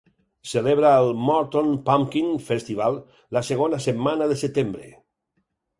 Celebra el Morton Pumpkin Festival la segona setmana de setembre.